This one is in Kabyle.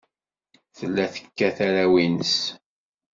Tella tekkat arraw-nnes.